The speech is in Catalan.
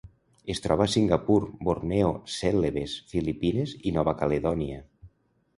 Es troba a Singapur, Borneo, Cèlebes, Filipines i Nova Caledònia.